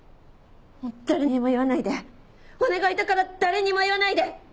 誰にも言わないでお願いだから誰にも言わないで！